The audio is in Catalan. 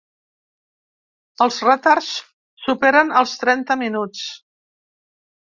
Els retards superen els trenta minuts.